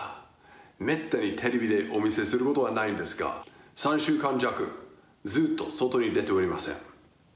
めったにテレビでお見せすることはないんですが、３週間弱、ずっと外に出ておりません。